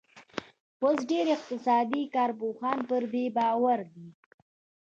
اوس ډېر اقتصادي کارپوهان پر دې باور دي.